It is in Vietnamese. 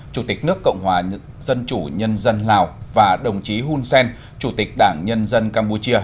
chủ tịch nước cộng hòa dân chủ nhân dân lào và đồng chí hun sen chủ tịch đảng nhân dân campuchia